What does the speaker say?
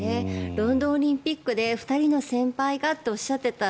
ロンドンオリンピックで２人の先輩がとおっしゃっていた